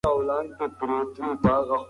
ټولنپوهنه هغه علم دی چې ګډ رفتار پکې څېړل کیږي.